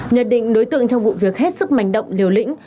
nhật định đối tượng trong vụ việc hết sức mạnh động liều lĩnh